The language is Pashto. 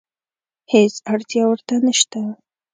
هېڅ اړتیا ورته نشته.